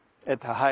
はい。